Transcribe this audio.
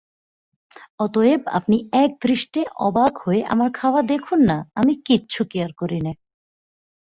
অতএব আপনি একদৃষ্টে অবাক হয়ে আমার খাওয়া দেখুন-না, আমি কিচ্ছু কেয়ার করি নে।